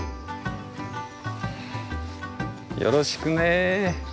よろしくね。